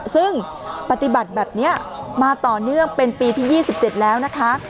ซึ่งปฏิบัติแบบเนี้ยมาต่อเนื่องเป็นปีที่ยี่สิบเจ็ดแล้วนะคะ